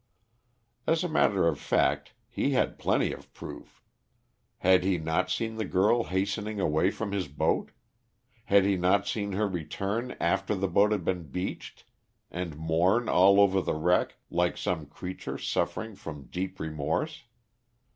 As a matter of fact, he had plenty of proof. Had he not seen the girl hastening away from his boat? Had he not seen her return after the boat had been beached and mourn over the wreck like some creature suffering from deep remorse?